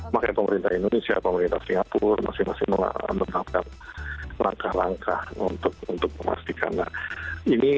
makanya pemerintah indonesia pemerintah singapura masing masing menetapkan langkah langkah untuk memastikan